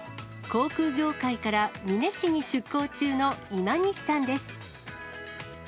航空業界から美祢市に出向中の今西さんです。